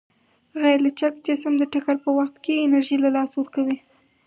غیرلچک جسم د ټکر په وخت کې انرژي له لاسه ورکوي.